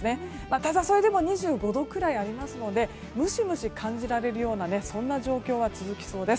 ただそれでも２５度くらいありますのでムシムシ感じられるような状況は続きそうです。